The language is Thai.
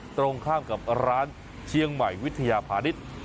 ตรงข้ามกับร้านเชียงใหม่วิทยาพาณิชย์